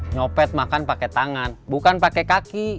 nyopet makan pake tangan bukan pake kaki